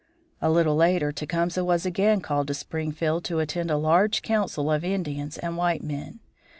A little later Tecumseh was again called to Springfield to attend a large council of Indians and white men.